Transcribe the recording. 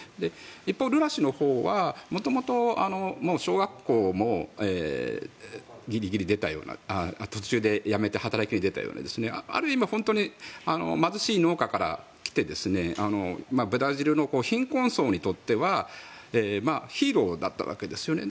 一方、ルラ氏のほうは、元々小学校もギリギリ出たような途中でやめて働きに出たようなある意味本当に貧しい農家から来てブラジルの貧困層にとってはヒーローだったわけですよね。